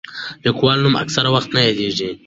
د لیکوال نوم اکثره وخت نه یادېږي.